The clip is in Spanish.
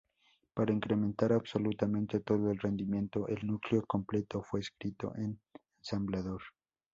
Para incrementar absolutamente todo el rendimiento, el núcleo completo fue escrito en ensamblador.